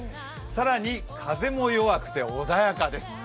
更に風も弱くて穏やかです。